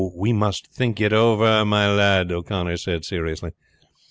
"We must think it over, my lad," O'Connor said seriously.